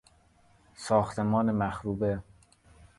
ساختمان مخروبه